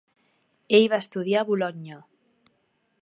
Ell va estudiar a Bolonya.